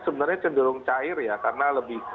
sebenarnya cenderung cair ya karena lebih